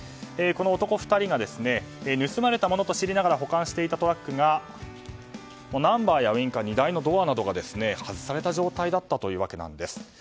この男２人が盗まれたものと知りながら保管していたトラックがナンバーやウインカー荷台のドアなどが外された状態だったというわけなんです。